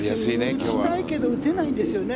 打ちたいけど打てないんですよね。